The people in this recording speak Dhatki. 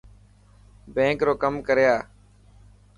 بينڪ رو ڪم ڪري آءِ.